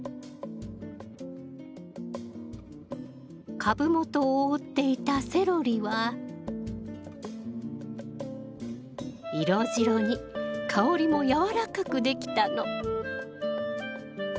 株元を覆っていたセロリは色白に香りもやわらかくできたの！